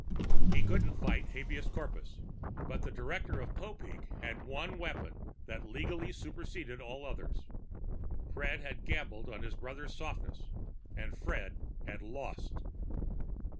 He couldn't fight habeas corpus. But the director of Popeek did have one weapon that legally superseded all others. Fred had gambled on his brother's softness, and Fred had lost.